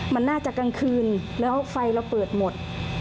มันน่าจะกลางคืนแล้วไฟเราเปิดหมด